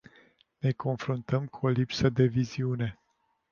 Ne confruntăm cu o lipsă de viziune.